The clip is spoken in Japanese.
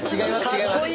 違います。